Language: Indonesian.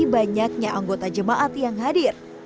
banyaknya anggota jemaat yang hadir